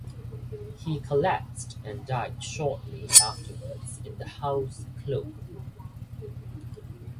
He collapsed and died shortly afterwards in the House cloakroom.